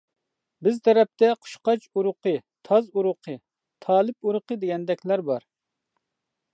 بىز تەرەپتە «قۇشقاچ ئۇرۇقى» ، «تاز ئۇرۇقى» ، «تالىپ ئۇرۇقى» دېگەندەكلەر بار.